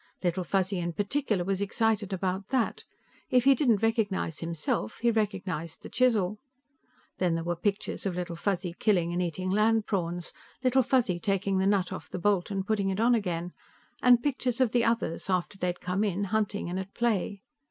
Little Fuzzy in particular was excited about that; if he didn't recognize himself, he recognized the chisel. Then there were pictures of Little Fuzzy killing and eating land prawns, Little Fuzzy taking the nut off the bolt and putting it on again, and pictures of the others, after they had come in, hunting and at play.